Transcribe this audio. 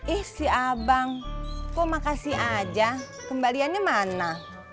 ih si abang kok makasih aja kembaliannya mana